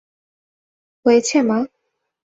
হয়েছে, মা?